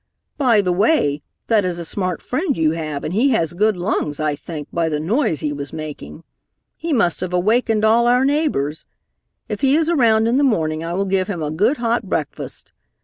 By the way, that is a smart friend you have, and he has good lungs, I think, by the noise he was making. He must have awakened all our neighbors. If he is around in the morning, I will give him a good hot breakfast.